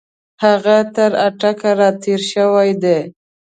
هغه تر اټک را تېر شوی دی.